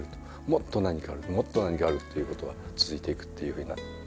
もっと何かあるもっと何かあるっていう事が続いていくっていうふうな。